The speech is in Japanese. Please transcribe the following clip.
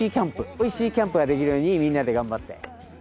おいしいキャンプができるようにみんなで頑張って。